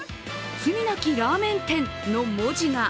罪なきラーメン店の文字が。